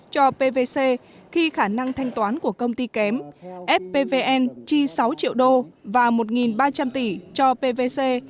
cho pvc khi khả năng thanh toán của công ty kém fpvn chi sáu triệu đô và một ba trăm linh tỷ cho pvc